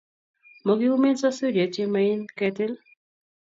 Mokiumen sosuriet ye maen ketil.